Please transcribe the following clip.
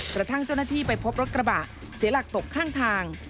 กระทั่งเจ้าหน้าที่ไปพบรถกระบะเสียหลักตกข้างทาง